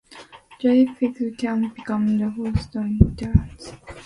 Driftwood can become the foundation for sand dunes.